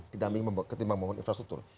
kita bingung ketimbang pembangun infrastruktur